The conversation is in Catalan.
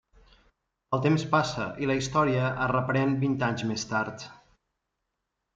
El temps passa i la història es reprèn vint anys més tard.